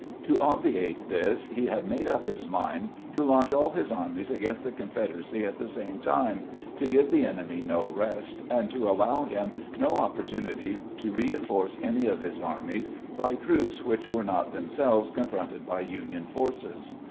To obviate this, he had made up his mind to launch all his armies against the Confederacy at the same time, to give the enemy no rest, and to allow him no opportunity to reinforce any of his armies by troops which were not themselves confronted by Union forces.